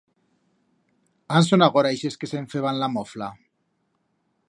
Án son agora ixes que se'n feban la mofla?